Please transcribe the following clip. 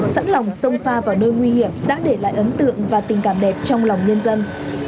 sẵn lòng sông pha vào nơi nguy hiểm đã để lại ấn tượng và tình cảm đẹp trong lòng nhân dân